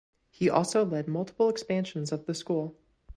He also led multiple expansions of the school.